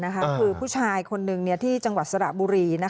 คือผู้ชายคนหนึ่งที่จังหวัดสระบุรี